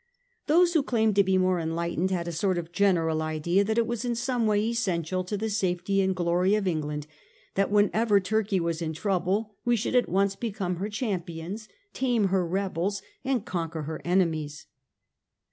Those who claimed to be more enlightened had a sort of general idea that it was in some way essential to the safety and glory of England that whenever Turkey was in trouble we should at once become her champions, tame her rebels, and conquer her enemies.